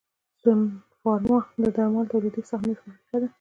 سنوفارما د درملو تولیدي سهامي فابریکه ده